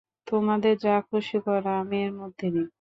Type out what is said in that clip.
তোমাদের যা খুশি করো, আমি এর মধ্যে নেই।